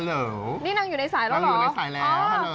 นี้นางอยู่ในสายแล้วเหรอ